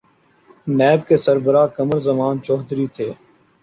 NAB کے سربراہ قمر زمان چوہدری تھے۔